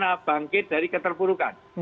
kita harus bangkit dari keterburukan